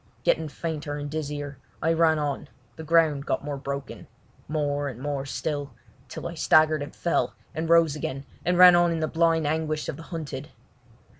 Getting fainter and dizzier, I ran on; the ground got more broken—more and more still, till I staggered and fell, and rose again, and ran on in the blind anguish of the hunted.